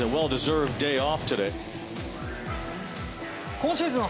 今シーズン